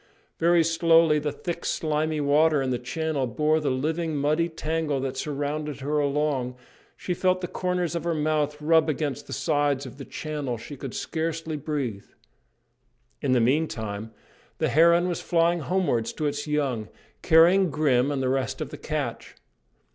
Very slowly the thick slimy water in the channel bore the living, muddy tangle that surrounded her along; she felt the corners of her mouth rub against the sides of the channel; she could scarcely breathe. In the meantime the heron was flying homewards to its young, carrying Grim and the rest of the catch.